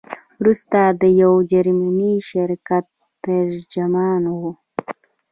وروسته د یو جرمني شرکت ترجمان وو.